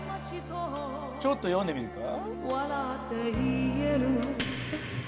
ちょっと読んでみるか？